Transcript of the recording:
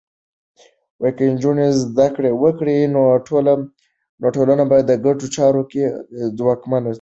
که نجونې زده کړه وکړي، نو ټولنه په ګډو چارو کې ځواکمنه ده.